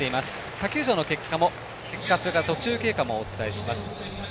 他球場の結果、途中経過もお伝えします。